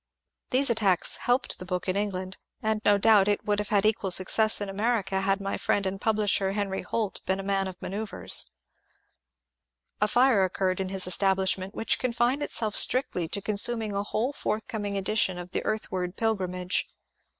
These attacks helped the book in England, and no doubt it would have had equal success in America had my friend and pub lisher Henry Holt been a man of manoeuvres : a fire occurred in his establishment which confined itself strictly to consum ing a whole forthcoming edition of ^^ The Earthward Pilgrim age